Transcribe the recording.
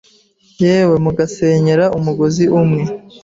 yewe mugasenyera umugozi umwe